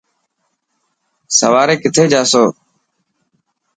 سواري ڪٿي جاسو.